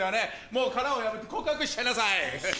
もう殻を破って告白しちゃいなさい！